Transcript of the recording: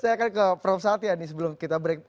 saya akan ke prof satya nih sebelum kita break